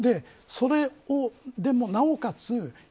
それでも、なおかつ